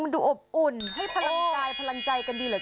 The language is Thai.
มันดูอบอุ่นให้พลังกายพลังใจกันดีเลย